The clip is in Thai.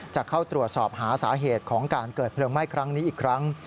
จะเข้าตรวจสอบหาสาเหตุของการเกิดเพลิงไหม้ครั้งนี้อีกครั้ง